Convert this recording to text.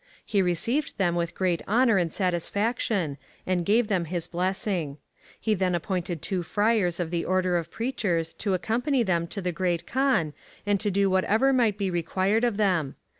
He received them with great honour and satisfaction, and gave them his blessing. He then appointed two Friars of the Order of Preachers to accompany them to the Great Kaan, and to do whatever might be required of them.